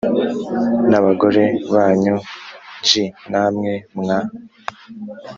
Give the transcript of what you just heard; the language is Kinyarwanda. n abagore banyu g namwe mwa